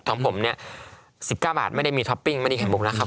ของผมเนี่ย๑๙บาทไม่ได้มีท็อปปิ้งไม่ได้ไข่มุกนะครับ